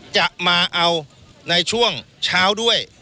จะมาเอาในช่วงเช้าด้วย